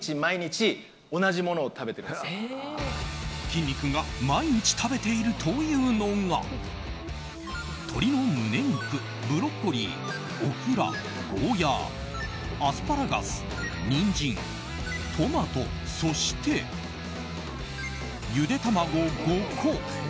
きんに君が毎日食べているというのが鶏の胸肉、ブロッコリーオクラ、ゴーヤー、アスパラガスニンジン、トマトそして、ゆで卵５個。